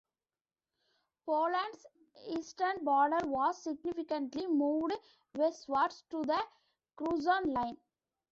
Poland's eastern border was significantly moved westwards to the Curzon Line.